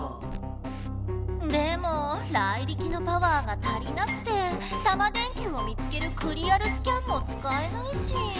でもライリキのパワーが足りなくてタマ電Ｑを見つけるクリアルスキャンもつかえないし。